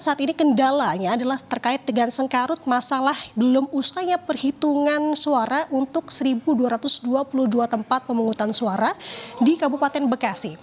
dan saat ini kendalanya adalah terkait dengan sengkarut masalah belum usahanya perhitungan suara untuk satu dua ratus dua puluh dua tempat pemungutan suara di kabupaten bekasi